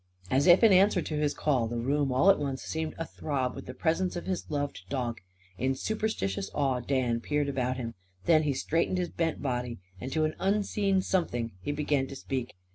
As if in answer to his call, the room all at once seemed athrob with the presence of his loved dog. In superstitious awe Dan peered about him. Then he straightened his bent body. And to an unseen Something he began to speak.